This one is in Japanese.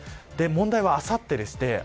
問題は、あさってです。